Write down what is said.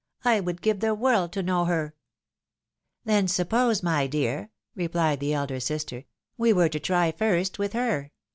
" I would give the world to know her !" "Then suppose, my dear," replied the elder sister, "we were to try first with her?